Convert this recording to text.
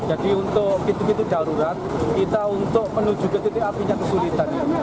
jadi untuk gitu gitu darurat kita untuk menuju ke titik apinya kesulitan